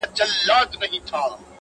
o وهر يو رگ ته يې د ميني کليمه وښايه ـ